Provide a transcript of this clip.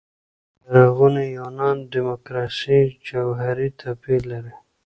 لرغوني یونان دیموکراسي جوهري توپير لري.